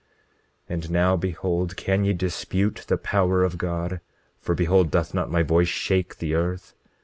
27:15 And now behold, can ye dispute the power of God? For behold, doth not my voice shake the earth?